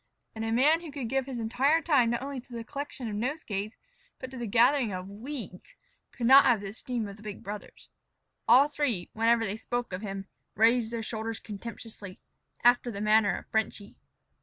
And a man who could give his entire time not only to the collection of nosegays but to the gathering of weeds, could not have the esteem of the big brothers. All three, whenever they spoke of him, raised their shoulders contemptuously, after the manner of "Frenchy."